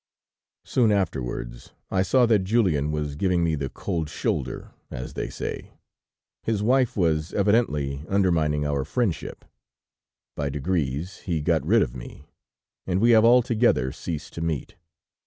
Soon afterwards I saw that Julien was giving me the 'cold shoulder,' as they say. His wife was evidently undermining our friendship; by degrees he got rid of me, and we have altogether ceased to meet.